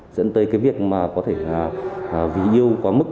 dẫn tới cái việc mà có thể vì yêu quá mức